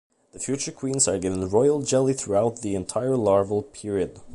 The future queens are given royal jelly throughout the entire larval period.